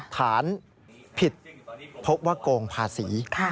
ฐานผิดพบว่าโกงภาษี